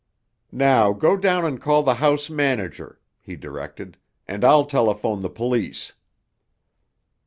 "Now go down and call the house manager," he directed, "and I'll telephone the police."